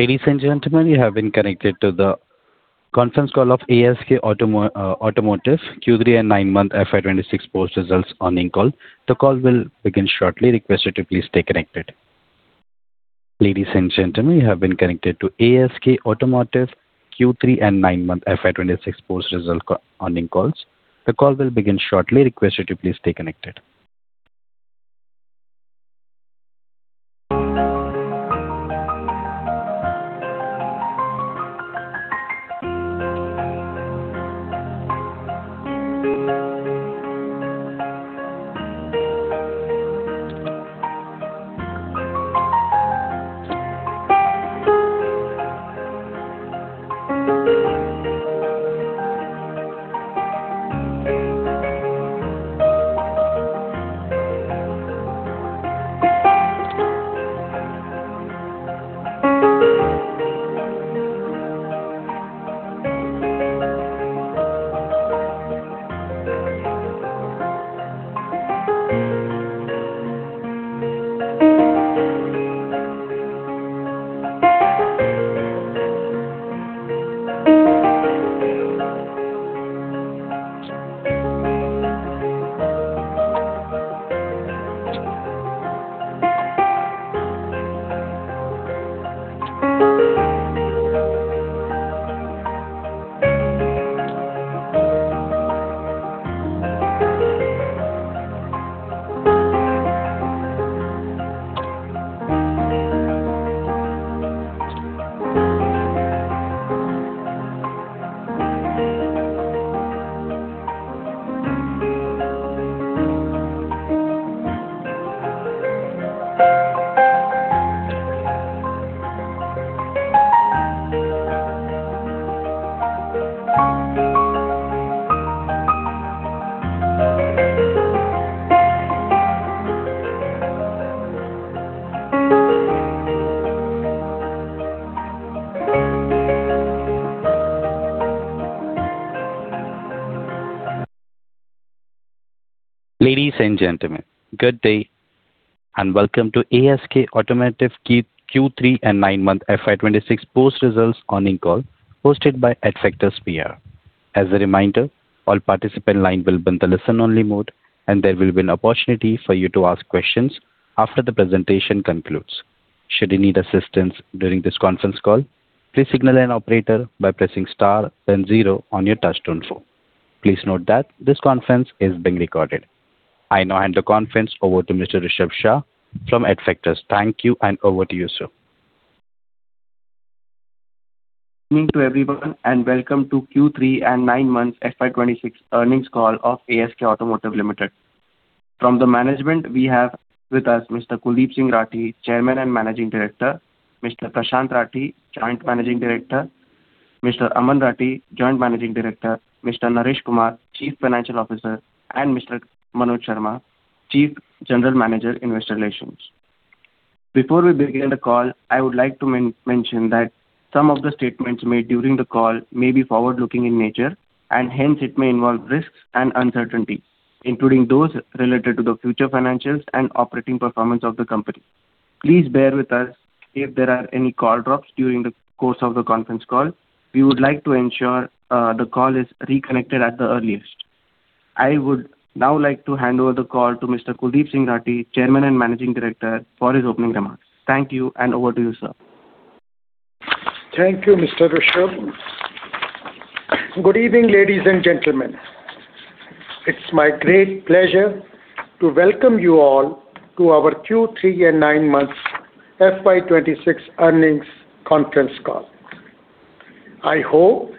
Ladies and gentlemen, you have been connected to the conference call of ASK Automotive Q3 and nine-month FY 2026 post-results earnings call. The call will begin shortly. Requested to please stay connected. Ladies and gentlemen, you have been connected to ASK Automotive Q3 and nine-month FY 2026 post-results earnings calls. The call will begin shortly. Requested to please stay connected. Ladies and gentlemen, good day and welcome to ASK Automotive Q3 and nine-month FY 2026 post-results earnings call hosted by ASK Automotive by ASK Automotive PR. As a reminder, all participant line will be in the listen-only mode, and there will be an opportunity for you to ask questions after the presentation concludes. Should you need assistance during this conference call, please signal an operator by pressing star then zero on your touch-tone phone. Please note that this conference is being recorded. I now hand the conference over to Mr. Rishabh Shah from ASK Automotive PR. Thank you, and over to you, sir. Good evening to everyone and welcome to Q3 and nine-month FY 2026 earnings call of ASK Automotive Limited. From the management, we have with us Mr. Kuldip Singh Rathee, Chairman and Managing Director, Mr. Prashant Rathee, Joint Managing Director, Mr. Aman Rathee, Joint Managing Director, Mr. Naresh Kumar, Chief Financial Officer, and Mr. Manoj Sharma, Chief General Manager, Investor Relations. Before we begin the call, I would like to mention that some of the statements made during the call may be forward-looking in nature, and hence it may involve risks and uncertainties, including those related to the future financials and operating performance of the company. Please bear with us if there are any call drops during the course of the conference call. We would like to ensure the call is reconnected at the earliest. I would now like to hand over the call to Mr. Kuldip Singh Rathee, Chairman and Managing Director, for his opening remarks. Thank you, and over to you, sir. Thank you, Mr. Rishabh. Good evening, ladies and gentlemen. It's my great pleasure to welcome you all to our Q3 and nine-month FY 2026 earnings conference call. I hope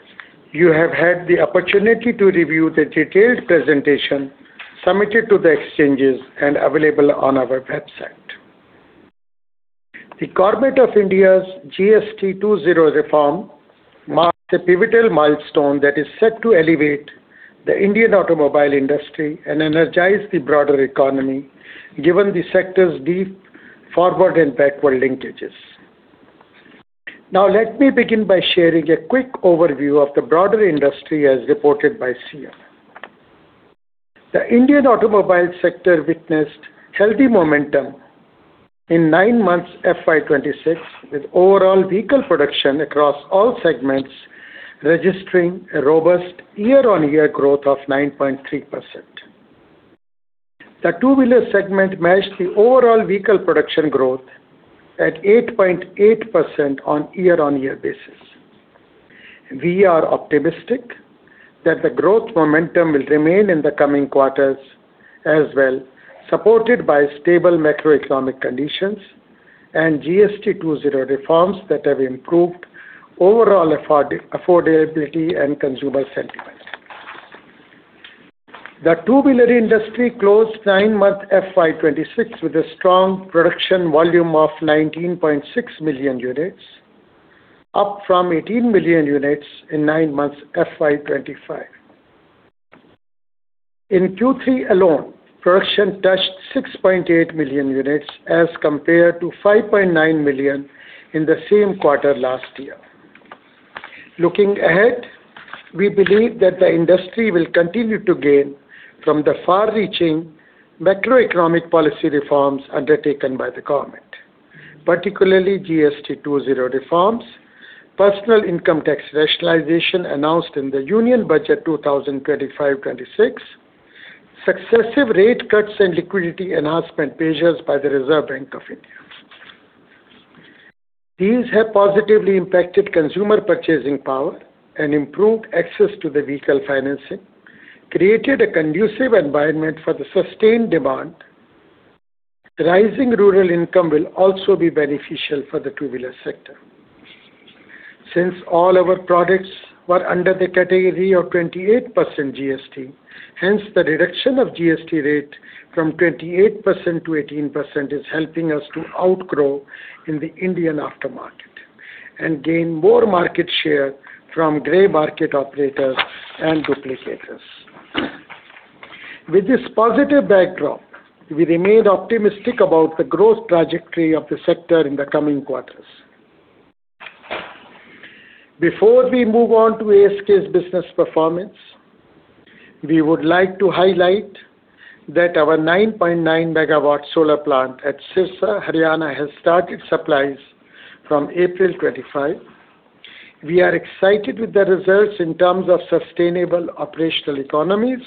you have had the opportunity to review the detailed presentation submitted to the exchanges and available on our website. The Government of India's GST 2.0 reform marks a pivotal milestone that is set to elevate the Indian automobile industry and energize the broader economy, given the sector's deep forward and backward linkages. Now, let me begin by sharing a quick overview of the broader industry as reported by SIAM. The Indian automobile sector witnessed healthy momentum in nine-month FY 2026, with overall vehicle production across all segments registering a robust year-on-year growth of 9.3%. The two-wheeler segment matched the overall vehicle production growth at 8.8% on a year-on-year basis. We are optimistic that the growth momentum will remain in the coming quarters as well, supported by stable macroeconomic conditions and GST 2.0 reforms that have improved overall affordability and consumer sentiment. The two-wheeler industry closed nine-month FY 2026 with a strong production volume of 19.6 million units, up from 18 million units in nine-month FY 2025. In Q3 alone, production touched 6.8 million units as compared to 5.9 million in the same quarter last year. Looking ahead, we believe that the industry will continue to gain from the far-reaching macroeconomic policy reforms undertaken by the government, particularly GST 2.0 reforms, personal income tax rationalization announced in the Union Budget 2025-2026, and successive rate cuts and liquidity enhancement measures by the Reserve Bank of India. These have positively impacted consumer purchasing power and improved access to vehicle financing, creating a conducive environment for the sustained demand. Rising rural income will also be beneficial for the two-wheeler sector. Since all our products were under the category of 28% GST, hence the reduction of GST rate from 28% to 18% is helping us to outgrow the Indian aftermarket and gain more market share from gray market operators and duplicators. With this positive backdrop, we remain optimistic about the growth trajectory of the sector in the coming quarters. Before we move on to ASK's business performance, we would like to highlight that our 9.9 MW solar plant at Sirsa, Haryana, has started supplies from April 25. We are excited with the results in terms of sustainable operational economies.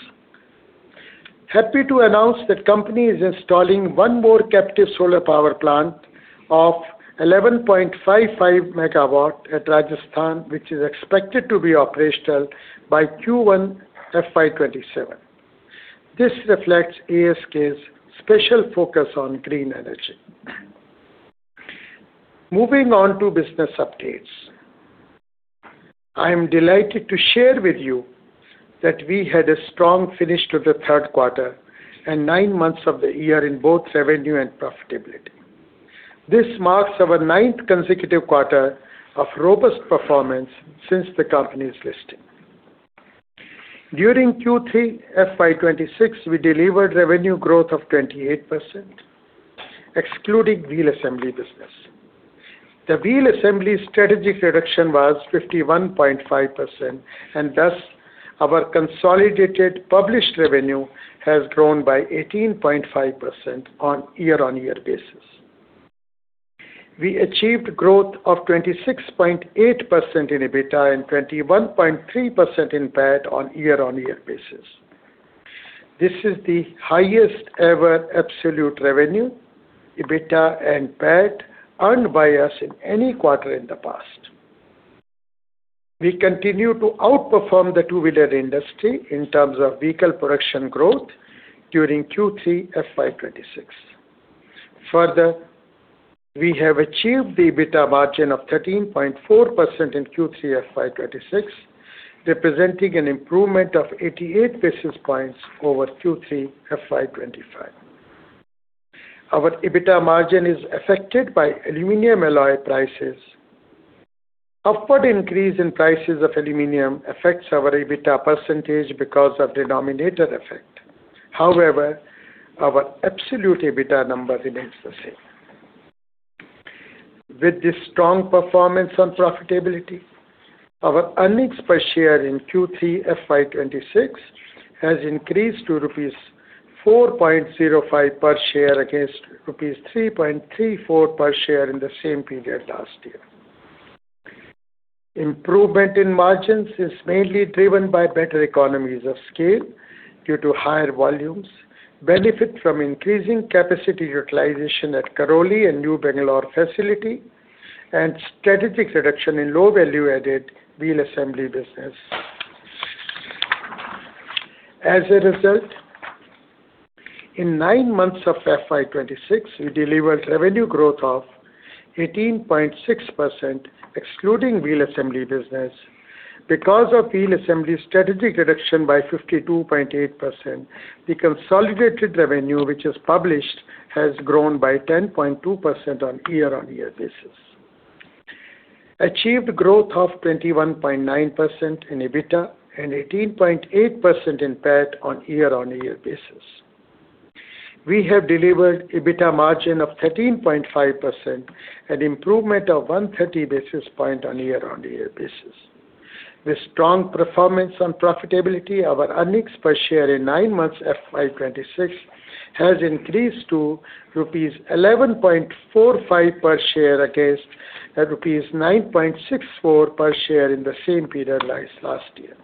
Happy to announce that the company is installing one more captive solar power plant of 11.55 MW at Rajasthan, which is expected to be operational by Q1 FY 2027. This reflects ASK's special focus on green energy. Moving on to business updates, I am delighted to share with you that we had a strong finish to the Q3 and nine months of the year in both revenue and profitability. This marks our ninth consecutive quarter of robust performance since the company's listing. During Q3 FY 2026, we delivered revenue growth of 28%, excluding wheel assembly business. The wheel assembly strategic reduction was 51.5%, and thus our consolidated published revenue has grown by 18.5% on a year-on-year basis. We achieved growth of 26.8% in EBITDA and 21.3% in PAT on a year-on-year basis. This is the highest-ever absolute revenue, EBITDA and PAT, unsurpassed in any quarter in the past. We continue to outperform the two-wheeler industry in terms of vehicle production growth during Q3 FY 2026. Further, we have achieved the EBITDA margin of 13.4% in Q3 FY 2026, representing an improvement of 88 basis points over Q3 FY 2025. Our EBITDA margin is affected by aluminum alloy prices. Upward increase in prices of aluminum affects our EBITDA percentage because of denominator effect. However, our absolute EBITDA number remains the same. With this strong performance on profitability, our earnings per share in Q3 FY 2026 has increased to rupees 4.05 per share against rupees 3.34 per share in the same period last year. Improvement in margins is mainly driven by better economies of scale due to higher volumes, benefit from increasing capacity utilization at Karoli and New Bengaluru facility, and strategic reduction in low-value-added wheel assembly business. As a result, in nine months of FY 2026, we delivered revenue growth of 18.6%, excluding wheel assembly business. Because of wheel assembly strategic reduction by 52.8%, the consolidated revenue, which is published, has grown by 10.2% on a year-on-year basis. Achieved growth of 21.9% in EBITDA and 18.8% in PAT on a year-on-year basis. We have delivered EBITDA margin of 13.5% and improvement of 130 basis points on a year-on-year basis. With strong performance on profitability, our earnings per share in 9 months FY 2026 has increased to rupees 11.45 per share against rupees 9.64 per share in the same period last year.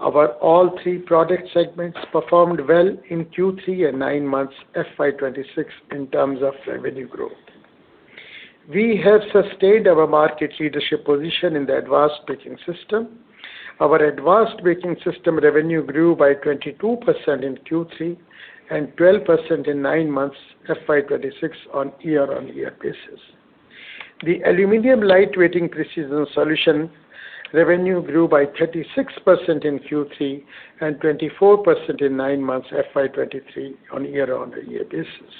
Our all three product segments performed well in Q3 and 9 months FY 2026 in terms of revenue growth. We have sustained our market leadership position in the advanced braking system. Our advanced braking system revenue grew by 22% in Q3 and 12% in 9 months FY 2026 on a year-on-year basis. The aluminum lightweighting precision solution revenue grew by 36% in Q3 and 24% in 9 months FY 2026 on a year-on-year basis.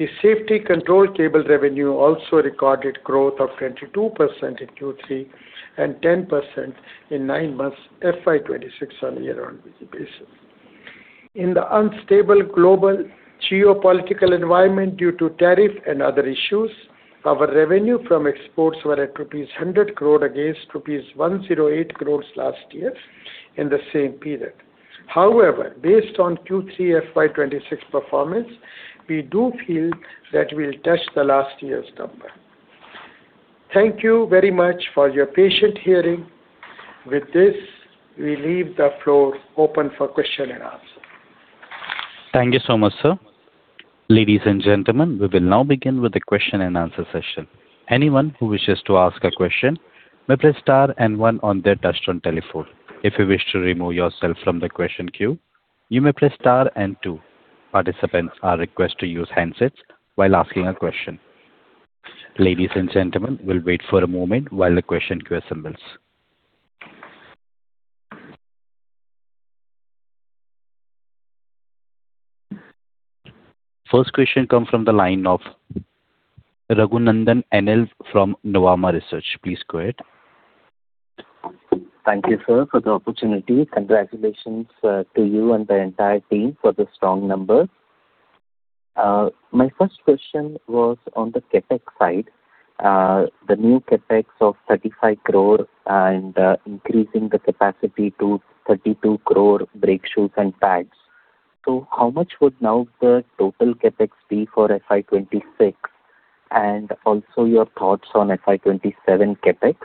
The safety control cable revenue also recorded growth of 22% in Q3 and 10% in 9 months FY 2026 on a year-on-year basis. In the unstable global geopolitical environment due to tariff and other issues, our revenue from exports were at rupees 100 crore against rupees 108 crore last year in the same period. However, based on Q3 FY 2026 performance, we do feel that we'll touch the last year's number. Thank you very much for your patient hearing. With this, we leave the floor open for question and answer. Thank you so much, sir. Ladies and gentlemen, we will now begin with the question and answer session. Anyone who wishes to ask a question may press star and one on their touch-tone telephone. If you wish to remove yourself from the question queue, you may press star and two. Participants are requested to use handsets while asking a question. Ladies and gentlemen, we'll wait for a moment while the question queue assembles. First question comes from the line of Raghunandan N.L. from Nuvama Research. Please go ahead. Thank you, sir, for the opportunity. Congratulations to you and the entire team for the strong numbers. My first question was on the CapEx side. The new CapEx of 35 crore and increasing the capacity to 32 crore brake shoes and pads. So how much would now the total CapEx be for FY 2026? And also your thoughts on FY 2027 CapEx?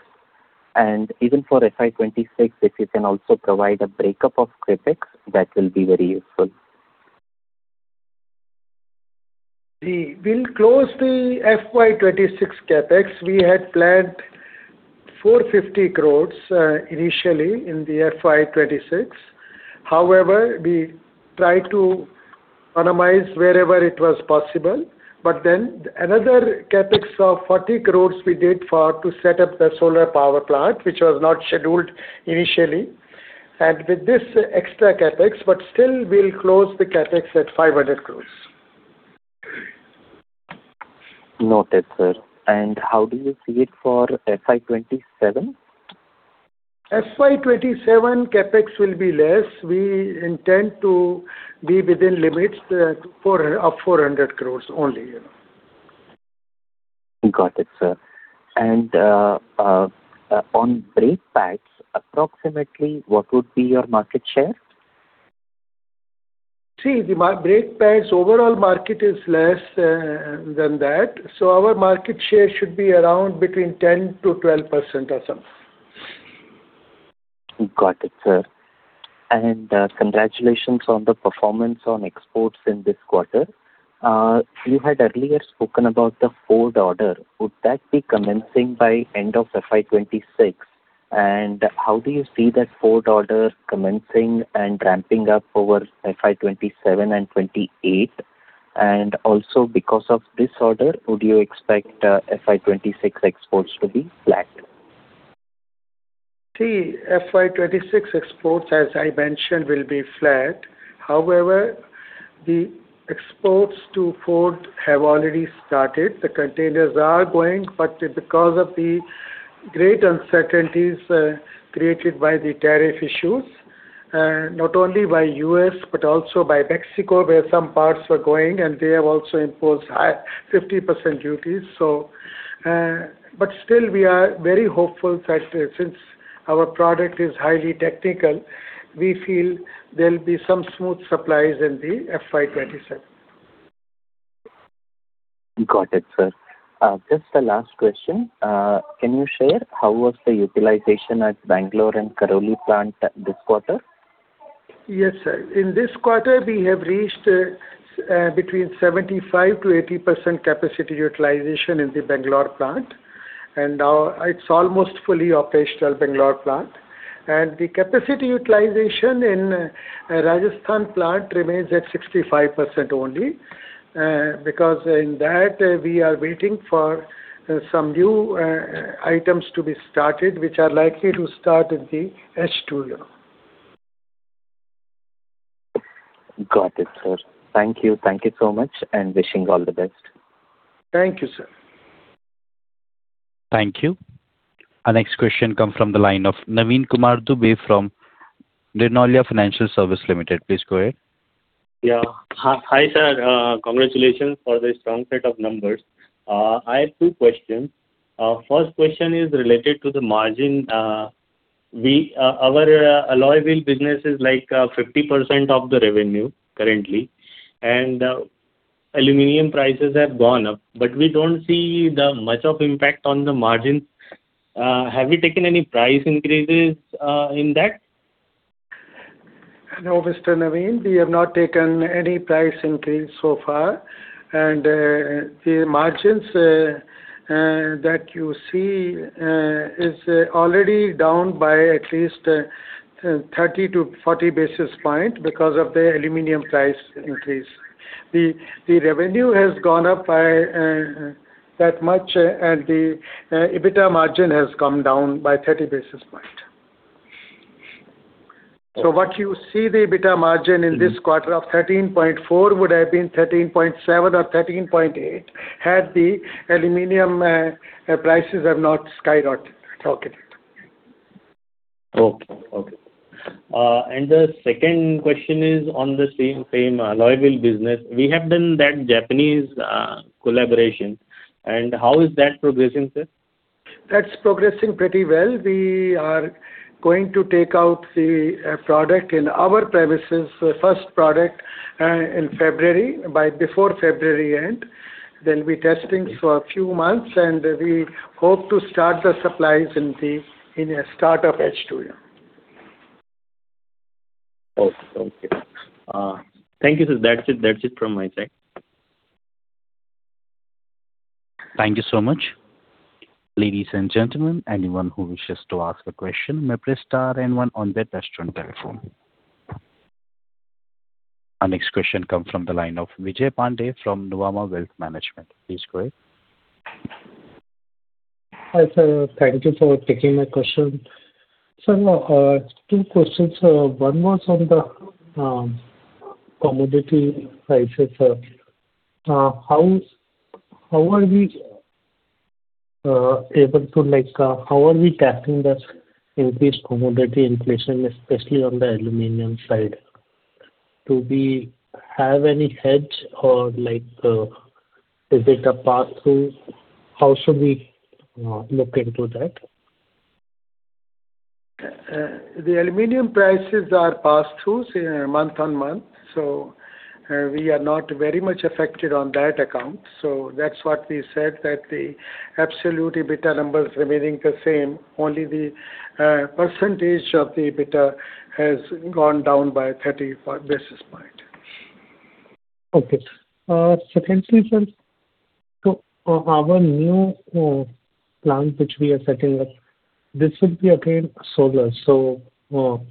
And even for FY 2026, if you can also provide a breakup of CapEx, that will be very useful. We will close the FY 2026 CapEx. We had planned 450 crore initially in the FY 2026. However, we tried to minimize wherever it was possible. But then another CapEx of 40 crore we did for to set up the solar power plant, which was not scheduled initially. And with this extra CapEx, but still we'll close the CapEx at 500 crore. Noted, sir. How do you see it for FY 2027? FY 2027 CapEx will be less. We intend to be within limits of 400 crore only. Got it, sir. On brake pads, approximately what would be your market share? See, the brake pads overall market is less than that. So our market share should be around between 10%-12% or something. Got it, sir. Congratulations on the performance on exports in this quarter. You had earlier spoken about the Ford order. Would that be commencing by end of FY 2026? And how do you see that Ford order commencing and ramping up over FY 2027 and FY 2028? And also because of this order, would you expect FY 2026 exports to be flat? See, FY 2026 exports, as I mentioned, will be flat. However, the exports to Ford have already started. The containers are going, but because of the great uncertainties created by the tariff issues, not only by the U.S., but also by Mexico, where some parts were going, and they have also imposed 50% duties. But still, we are very hopeful that since our product is highly technical, we feel there'll be some smooth supplies in the FY 2027. Got it, sir. Just a last question. Can you share how was the utilization at Bengaluru and Karoli plant this quarter? Yes, sir. In this quarter, we have reached between 75%-80% capacity utilization in the Bengaluru plant. Now it's almost fully operational, Bengaluru plant. The capacity utilization in Rajasthan plant remains at 65% only because in that we are waiting for some new items to be started, which are likely to start in the H2. Got it, sir. Thank you. Thank you so much and wishing all the best. Thank you, sir. Thank you. Our next question comes from the line of Naveen Kumar Dubey from Narnolia Financial Services Limited. Please go ahead. Yeah. Hi, sir. Congratulations for the strong set of numbers. I have two questions. First question is related to the margin. Our alloy wheel business is like 50% of the revenue currently. And aluminum prices have gone up, but we don't see much of impact on the margins. Have we taken any price increases in that? No, Mr. Naveen, we have not taken any price increase so far. The margins that you see are already down by at least 30-40 basis points because of the aluminum price increase. The revenue has gone up by that much, and the EBITDA margin has come down by 30 basis points. What you see, the EBITDA margin in this quarter of 13.4 would have been 13.7 or 13.8 had the aluminum prices not skyrocketed. Okay. Okay. The second question is on the same alloy wheel business. We have done that Japanese collaboration. How is that progressing, sir? That's progressing pretty well. We are going to take out the product in our premises, first product in February, before February end. They'll be testing for a few months, and we hope to start the supplies in the start of H2. Okay. Okay. Thank you, sir. That's it from my side. Thank you so much. Ladies and gentlemen, anyone who wishes to ask a question may press star and one on their touch-tone telephone. Our next question comes from the line of Vijay Pandey from Nuvama Wealth Management. Please go ahead. Hi, sir. Thank you for taking my question. Sir, two questions. One was on the commodity prices. How are we tackling this increased commodity inflation, especially on the aluminum side? Do we have any hedge, or is it a pass-through? How should we look into that? The aluminum prices are pass-through, month-on-month. We are not very much affected on that account. That's what we said, that the absolute EBITDA number is remaining the same. Only the percentage of the EBITDA has gone down by 35 basis points. Okay. So thank you, sir. So our new plant, which we are setting up, this will be again solar. So it will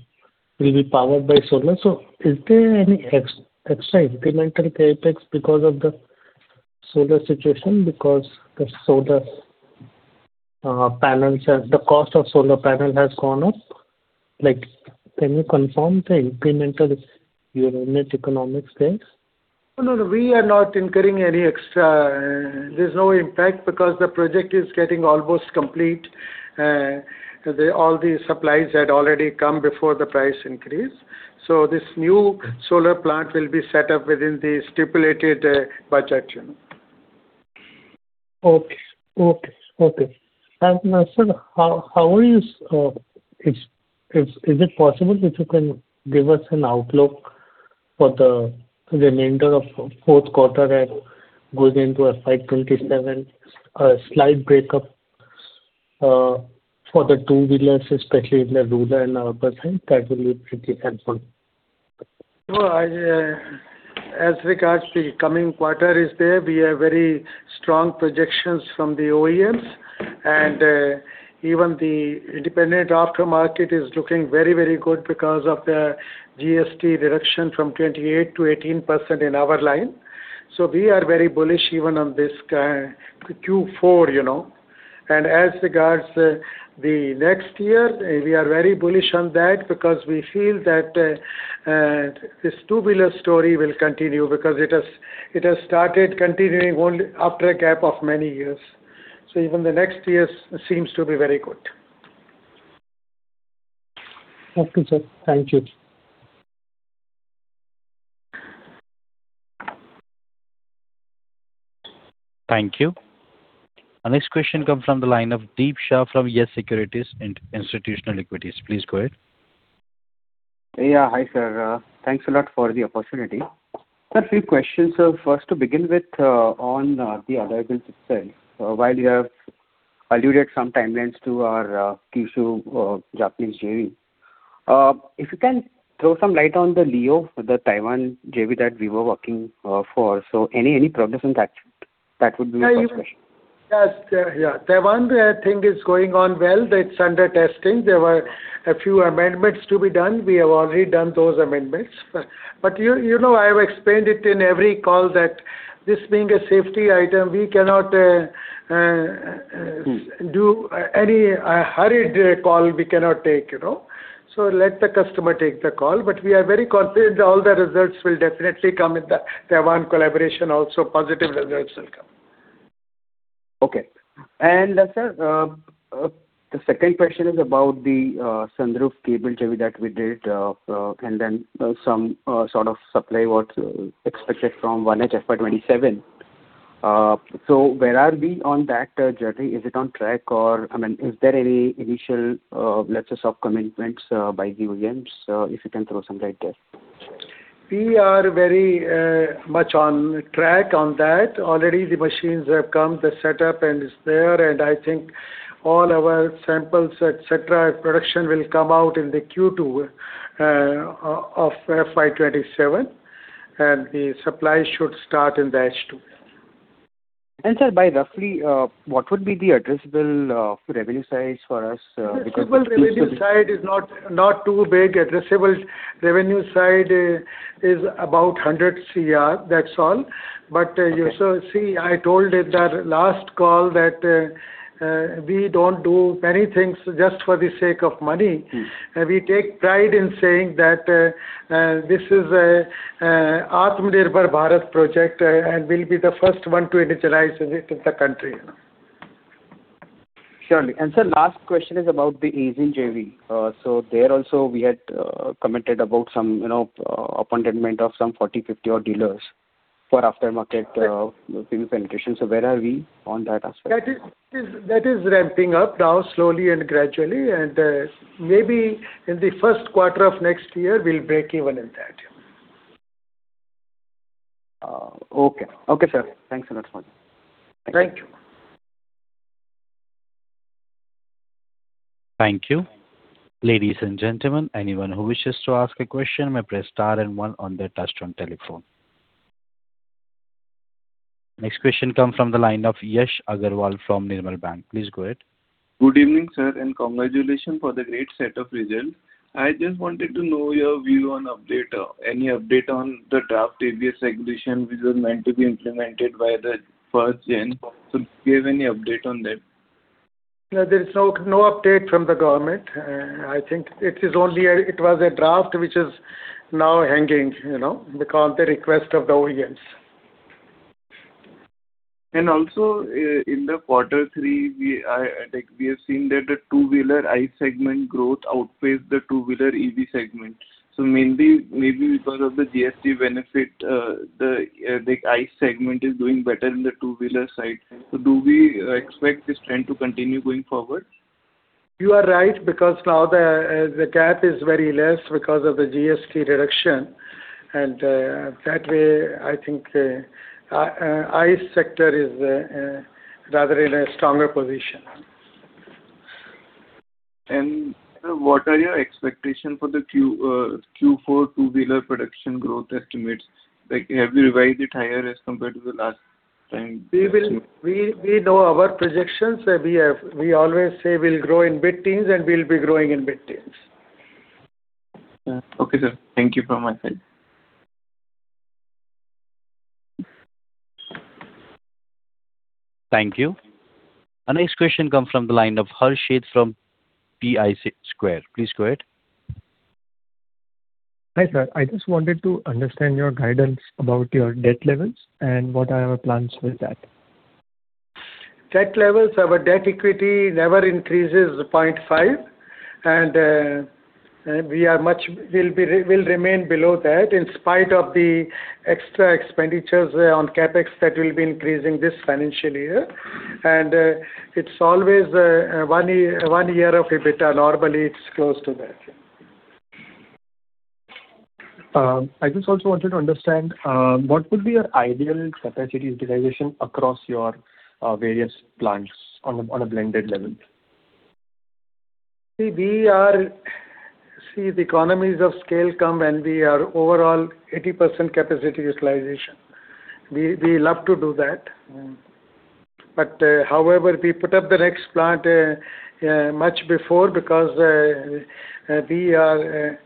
be powered by solar. So is there any extra incremental CapEx because of the solar situation? Because the solar panels, the cost of solar panels has gone up. Can you confirm the incremental unit economics there? No, no. We are not incurring any extra. There's no impact because the project is getting almost complete. All the supplies had already come before the price increase. So this new solar plant will be set up within the stipulated budget. Okay. And sir, how is it possible that you can give us an outlook for the remainder of the Q4 and going into FY 2027, a slight breakup for the two wheelers, especially in the rural and urban side? That will be pretty helpful. As regards to the coming quarter, we have very strong projections from the OEMs. Even the independent aftermarket is looking very, very good because of the GST reduction from 28% to 18% in our line. We are very bullish even on this Q4. As regards the next year, we are very bullish on that because we feel that this two-wheeler story will continue because it has started continuing only after a gap of many years. Even the next year seems to be very good. Okay, sir. Thank you. Thank you. Our next question comes from the line of Deep Shah from YES Securities and Institutional Equities. Please go ahead. Yeah. Hi, sir. Thanks a lot for the opportunity. Sir, a few questions. First to begin with on the alloy wheels itself. While you read some timelines to our Kyushu Japan JV, if you can throw some light on the Lio Ho, the Taiwan JV that we were working for. So any problems on that? That would be my first question. Yes. Yeah. Taiwan, I think, is going on well. It's under testing. There were a few amendments to be done. We have already done those amendments. But I have explained it in every call that this being a safety item, we cannot do any hurried call we cannot take. So let the customer take the call. But we are very confident all the results will definitely come in the Taiwan collaboration. Also, positive results will come. Okay. And sir, the second question is about the sunroof cable JV that we did and then some sort of supply, what's expected from 1H FY 2027. So where are we on that journey? Is it on track? Or I mean, is there any initial letters of commitment by the OEMs? If you can throw some light there. We are very much on track on that. Already, the machines have come. The setup is there. I think all our samples, etc., production will come out in the Q2 of FY 2027. The supply should start in the H2. Sir, by roughly, what would be the addressable revenue size for us? Addressable revenue side is not too big. Addressable revenue side is about 100 crore. That's all. But you see, I told in the last call that we don't do many things just for the sake of money. We take pride in saying that this is an Atmanirbhar Bharat project and will be the first one to initiate it in the country. Surely. And sir, last question is about the Aisin JV. So there also, we had commented about some appointment of some 40, 50 dealers for aftermarket fuel penetration. So where are we on that aspect? That is ramping up now slowly and gradually. And maybe in the Q1 of next year, we'll break even in that. Okay. Okay, sir. Thanks a lot, sir. Thank you. Thank you. Ladies and gentlemen, anyone who wishes to ask a question may press star and one on their touch-tone telephone. Next question comes from the line of Yash Agarwal from Nirmal Bang. Please go ahead. Good evening, sir. Congratulations for the great set of results. I just wanted to know your view on update. Any update on the draft ABS regulation which was meant to be implemented by the first gen? Give any update on that. There's no update from the government. I think it was a draft which is now hanging because of the request of the OEMs. Also, in the Q3, we have seen that the two-wheeler ICE segment growth outpaced the two-wheeler EV segment. So maybe because of the GST benefit, the ICE segment is doing better in the two-wheeler side. So do we expect this trend to continue going forward? You are right because now the gap is very less because of the GST reduction. That way, I think the ICE sector is rather in a stronger position. What are your expectations for the Q4 two-wheeler production growth estimates? Have you revised it higher as compared to the last time? We know our projections. We always say we'll grow in mid-teens, and we'll be growing in mid-teens. Okay, sir. Thank you from my side. Thank you. Our next question comes from the line of Harshad from Pi Square. Please go ahead. Hi, sir. I just wanted to understand your guidance about your debt levels and what are our plans with that? Debt levels of our debt-equity never increases 0.5. We will remain below that in spite of the extra expenditures on CapEx that will be increasing this financial year. It's always one year of EBITDA. Normally, it's close to that. I just also wanted to understand what would be your ideal capacity utilization across your various plants on a blended level? See, the economies of scale come when we are overall 80% capacity utilization. We love to do that. But however, we put up the next plant much before because we are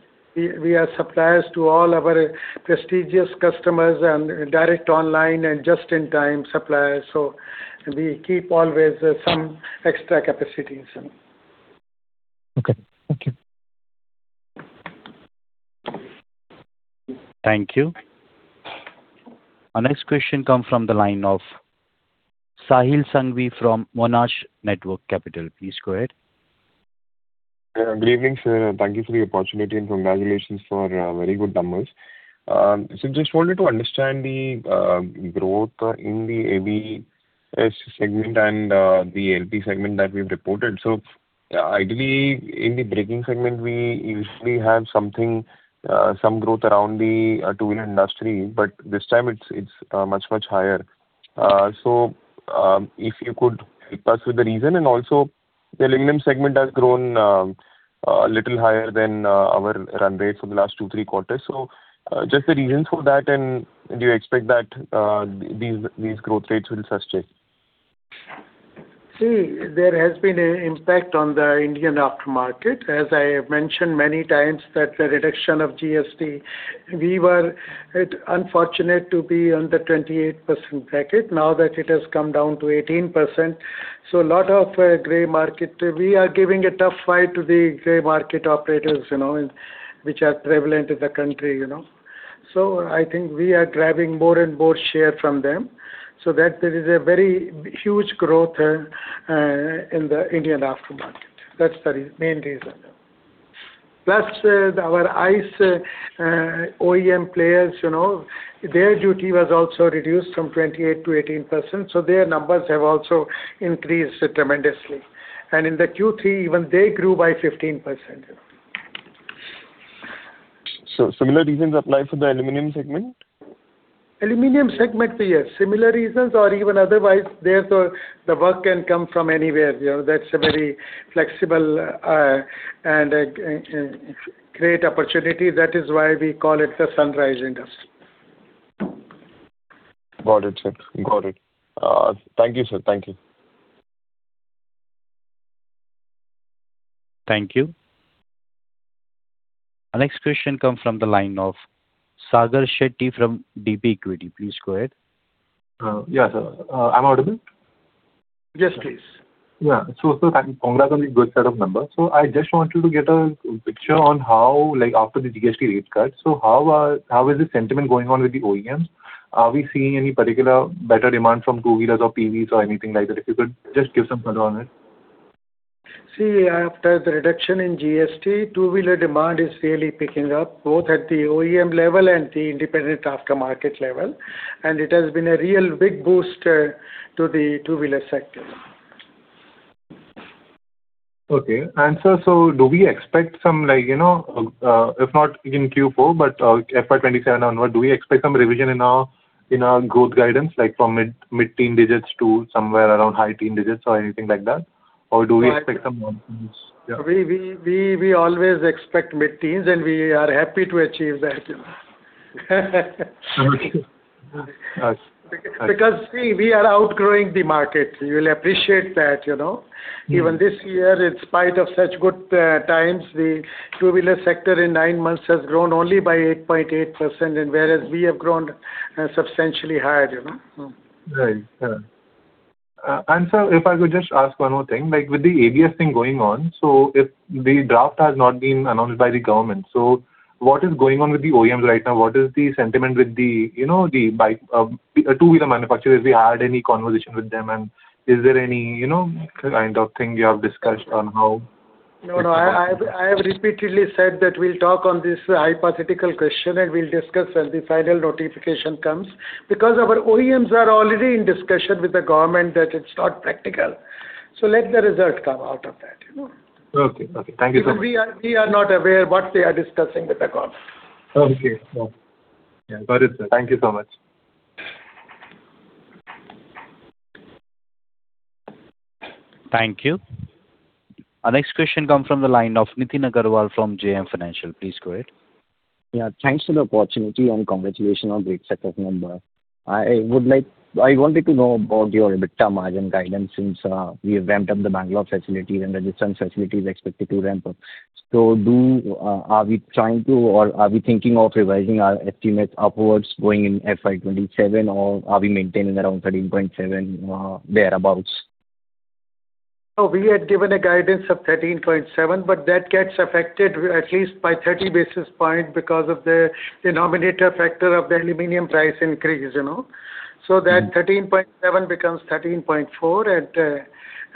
suppliers to all our prestigious customers and direct online and just-in-time suppliers. So we keep always some extra capacity. Okay. Thank you. Thank you. Our next question comes from the line of Sahil Sanghvi from Monarch Networth Capital. Please go ahead. Good evening, sir. Thank you for the opportunity and congratulations for very good numbers. So just wanted to understand the growth in the ABS segment and the ALPS segment that we've reported. So ideally, in the braking segment, we usually have some growth around the two-wheeler industry. But this time, it's much, much higher. So if you could help us with the reason. And also, the aluminum segment has grown a little higher than our run rate for the last two, three quarters. So just the reasons for that, and do you expect that these growth rates will sustain? See, there has been an impact on the Indian aftermarket. As I have mentioned many times, the reduction of GST—we were unfortunate to be on the 28% bracket. Now that it has come down to 18%. So a lot of gray market, we are giving a tough fight to the gray market operators, which are prevalent in the country. So I think we are grabbing more and more share from them. So there is a very huge growth in the Indian aftermarket. That's the main reason. Plus, our ICE OEM players, their duty was also reduced from 28% to 18%. So their numbers have also increased tremendously. And in the Q3, even they grew by 15%. So similar reasons apply for the aluminum segment? Aluminum segment, yes. Similar reasons or even otherwise, the work can come from anywhere. That's a very flexible and great opportunity. That is why we call it the sunrise industry. Got it, sir. Got it. Thank you, sir. Thank you. Thank you. Our next question comes from the line of Sagar Shetty from BP Equities. Please go ahead. Yes, sir. I'm audible? Yes, please. Yeah. So sir, thank you. Congrats on the good set of numbers. So I just wanted to get a picture on how, after the GST rate cut, so how is the sentiment going on with the OEMs? Are we seeing any particular better demand from two-wheelers or PVs or anything like that? If you could just give some color on it. See, after the reduction in GST, two-wheeler demand is really picking up, both at the OEM level and the independent aftermarket level. It has been a real big boost to the two-wheeler sector. Okay. And sir, so do we expect some, if not in Q4, but FY 2027 onward, do we expect some revision in our growth guidance, from mid-teen digits to somewhere around high-teen digits or anything like that? Or do we expect some? We always expect mid-teens, and we are happy to achieve that. Because we are outgrowing the market. You will appreciate that. Even this year, in spite of such good times, the two-wheeler sector in nine months has grown only by 8.8%, whereas we have grown substantially higher. Right. And sir, if I could just ask one more thing. With the ABS thing going on, so if the draft has not been announced by the government, so what is going on with the OEMs right now? What is the sentiment with the two-wheeler manufacturers? Have you had any conversation with them? And is there any kind of thing you have discussed on how? No, no. I have repeatedly said that we'll talk on this hypothetical question, and we'll discuss when the final notification comes. Because our OEMs are already in discussion with the government that it's not practical. Let the result come out of that. Okay. Okay. Thank you so much. We are not aware what they are discussing with the government. Okay. Got it, sir. Thank you so much. Thank you. Our next question comes from the line of Nitin Agarwal from JM Financial. Please go ahead. Yeah. Thanks for the opportunity and congratulations on the great set of numbers. I wanted to know about your EBITDA margin guidance since we have ramped up the Bengaluru facility and the distance facility is expected to ramp up. So are we trying to, or are we thinking of revising our estimates upwards going in FY 2027, or are we maintaining around 13.7, thereabouts? So we had given a guidance of 13.7, but that gets affected at least by 30 basis points because of the denominator factor of the aluminum price increase. So that 13.7 becomes 13.4.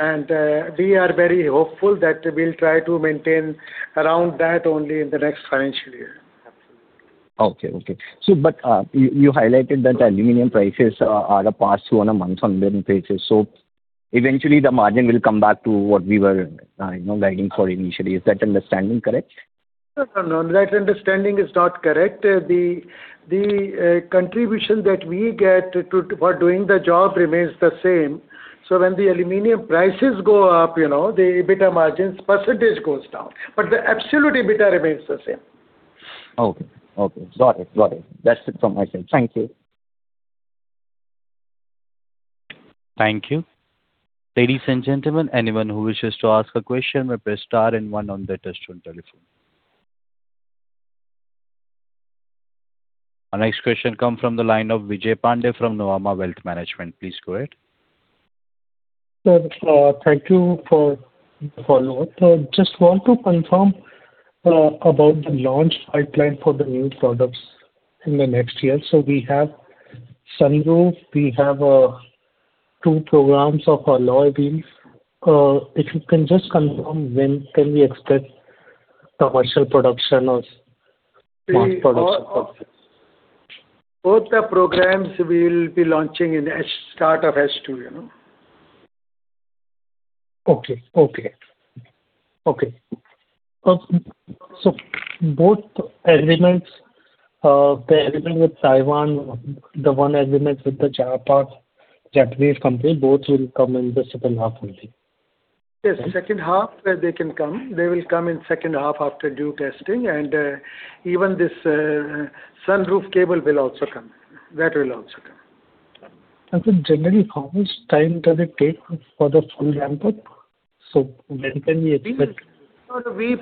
And we are very hopeful that we'll try to maintain around that only in the next financial year. Okay. Okay. But you highlighted that aluminum prices are a pass on a month-on-end basis. So eventually, the margin will come back to what we were guiding for initially. Is that understanding correct? No, no, no. That understanding is not correct. The contribution that we get for doing the job remains the same. So when the aluminum prices go up, the EBITDA margin's percentage goes down. But the absolute EBITDA remains the same. Okay. Okay. Got it. Got it. That's it from my side. Thank you. Thank you. Ladies and gentlemen, anyone who wishes to ask a question may press star and one on their touch-tone telephone. Our next question comes from the line of Vijay Pandey from Nuvama Wealth Management. Please go ahead. Sir, thank you for the follow-up. Just want to confirm about the launch pipeline for the new products in the next year. So we have sunroof. We have two programs of our alloy. If you can just confirm, when can we expect commercial production or mass production? Both the programs will be launching in the start of H2. Okay. So both agreements, the agreement with Taiwan, the one agreement with the Japanese company, both will come in the second half only? Yes. Second half, they can come. They will come in the second half after due testing. And even this sunroof cable will also come. That will also come. Generally, how much time does it take for the full ramp-up? When can we expect? We are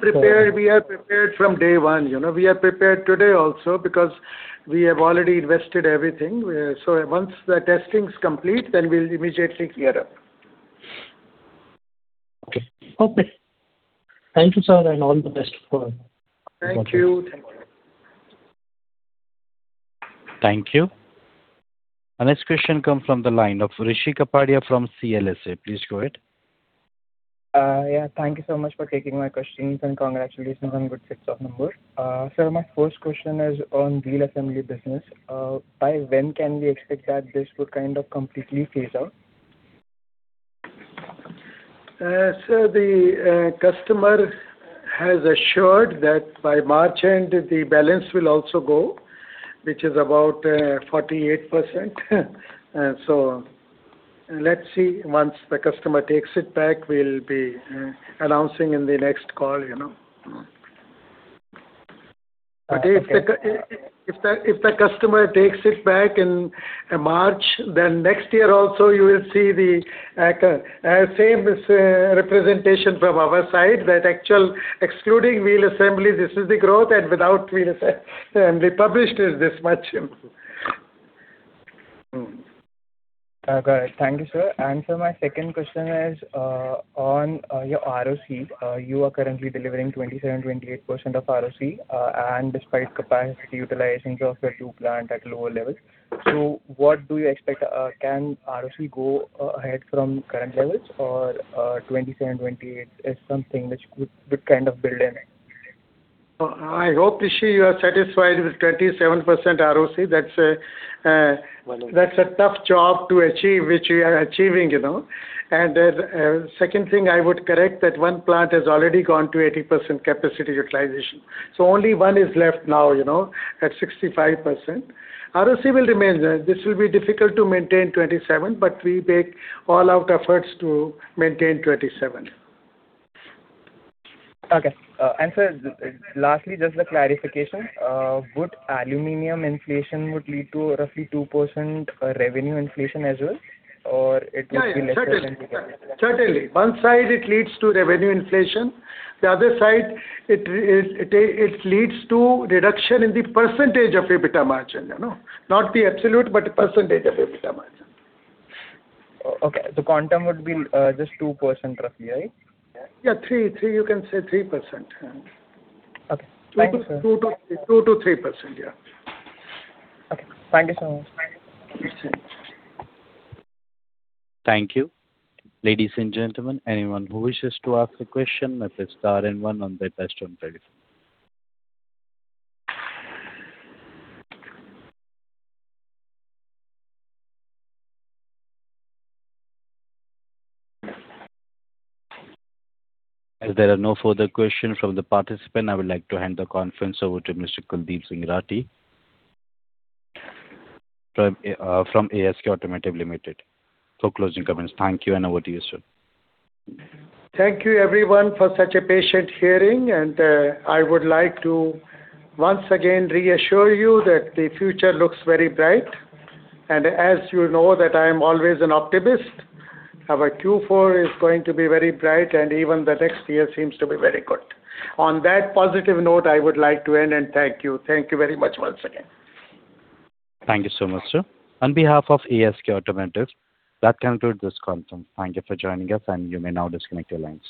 prepared from day one. We are prepared today also because we have already invested everything. Once the testing is complete, then we'll immediately gear up. Okay. Okay. Thank you, sir, and all the best for. Thank you. Thank you. Thank you. Our next question comes from the line of Rishi Kapadia from CLSA. Please go ahead. Yeah. Thank you so much for taking my questions and congratulations on good sets of numbers. Sir, my first question is on wheel assembly business. By when can we expect that this would kind of completely phase out? Sir, the customer has assured that by March end, the balance will also go, which is about 48%. So let's see. Once the customer takes it back, we'll be announcing in the next call. But if the customer takes it back in March, then next year also, you will see the same representation from our side that actual excluding wheel assembly, this is the growth. And without wheel assembly, published is this much. Got it. Thank you, sir. And sir, my second question is on your ROC. You are currently delivering 27%-28% ROC, and despite capacity utilization of your two plants at lower levels, so what do you expect? Can ROCE go ahead from current levels, or 27-28 is something which would kind of build in? I hope to see you are satisfied with 27% ROC. That's a tough job to achieve, which we are achieving. Second thing, I would correct that one plant has already gone to 80% capacity utilization. So only one is left now at 65%. ROCE will remain. This will be difficult to maintain 27, but we make all-out efforts to maintain 27. Okay. And sir, lastly, just the clarification. Would aluminum inflation lead to roughly 2% revenue inflation as well, or it would be lesser than 2%? Certainly. Certainly. One side, it leads to revenue inflation. The other side, it leads to reduction in the percentage of EBITDA margin. Not the absolute, but the percentage of EBITDA margin. Okay. So quantum would be just 2% roughly, right? Yeah. You can say 3%. Okay. Thank you. 2%-3%, yeah. Okay. Thank you so much. Thank you. Ladies and gentlemen, anyone who wishes to ask a question may press star and one on their touch-tone telephone. As there are no further questions from the participant, I would like to hand the conference over to Mr. Kuldip Singh Rathee from ASK Automotive Limited for closing comments. Thank you, and over to you, sir. Thank you, everyone, for such a patient hearing. I would like to once again reassure you that the future looks very bright. As you know, I am always an optimist. Our Q4 is going to be very bright, and even the next year seems to be very good. On that positive note, I would like to end and thank you. Thank you very much once again. Thank you so much, sir. On behalf of ASK Automotive, that concludes this conference. Thank you for joining us, and you may now disconnect your lines.